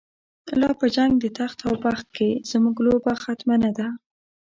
لاپه جنګ دتخت اوبخت کی، زموږ لوبه ختمه نه ده